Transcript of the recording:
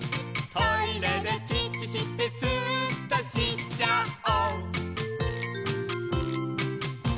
「トイレでチッチしてスーっとしちゃお！」